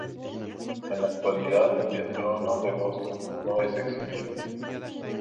En la actualidad, el Trono de Boston no es exhibido.